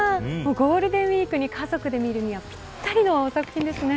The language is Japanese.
ゴールデンウイークに家族で見るにはぴったりの作品ですね。